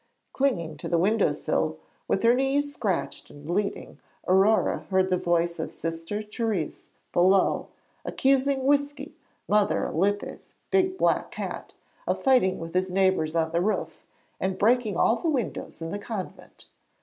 Clinging to the window sill, with her knees scratched and bleeding, Aurore heard the voice of Sister Thérèse below accusing Whisky, Mother Alippe's big black cat, of fighting with his neighbours on the roof and breaking all the windows in the convent.